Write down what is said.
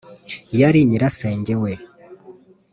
Yari nyirasenge we